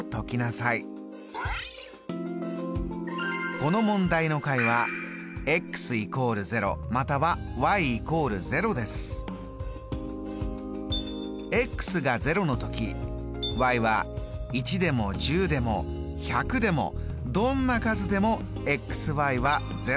この問題の解はが０のときは１でも１０でも１００でもどんな数でもは０です。